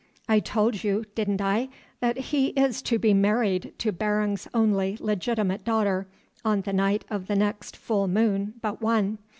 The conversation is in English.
I told you, didn't I, that he is to be married to Barung's only legitimate daughter on the night of the next full moon but one.